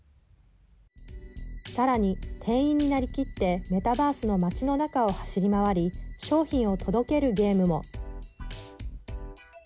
さらに、店員になりきってメタバースの街の中を走り回り商品を届けるゲームも。